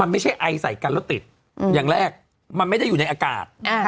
ไม่ใช่ไอใส่กันแล้วติดอย่างแรกมันไม่ได้อยู่ในอากาศ